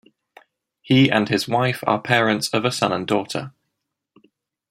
He and his wife are parents of a son and daughter.